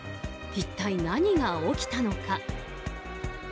一体何が起きたのか。